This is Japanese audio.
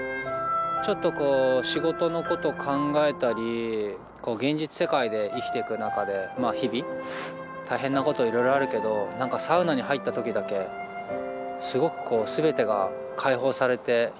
ちょっとこう仕事のこと考えたり現実世界で生きてく中でまあ日々大変なこといろいろあるけど何かサウナに入った時だけすごくこう全てが解放されて許されるというか。